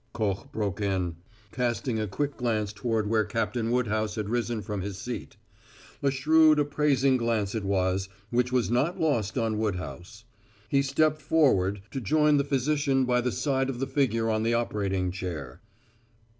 Koch broke in, casting a quick glance toward where Captain Woodhouse had risen from his seat. A shrewd appraising glance it was, which was not lost on Woodhouse. He stepped forward to join the physician by the side of the figure on the operating chair.